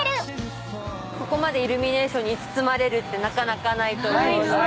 ここまでイルミネーションに包まれるってないと思うので。